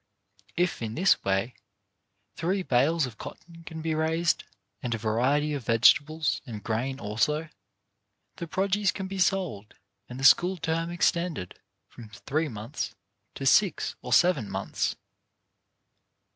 If, in this way, three bales of cotton can be raised, and a variety of vegetables and grain also, the produce can be sold and the school term extended from three months to six or seven months.